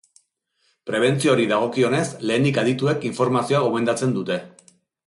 Prebentzioari dagokionez, lehenik adituek informazioa gomendatzen dute.